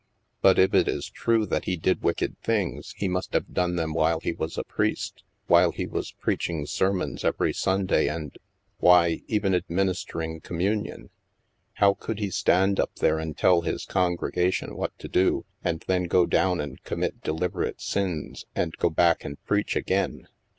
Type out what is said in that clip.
But, if it is true that he did wicked things, he (( STILL WATERS 65 must have done them while he was a priest, while he was preaching sermons every Sunday and — why, even administering Communion. How could he stand up there and tell his congregation what to do, and then go down and commit deliberate sins, and go back and preach again?